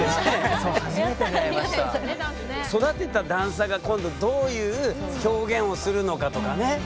育てたダンサーが今度どういう表現をするのかとかね。